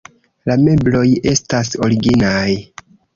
La mebloj estas originaj.